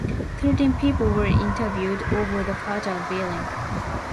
Thirteen people were interviewed over the fatal beating.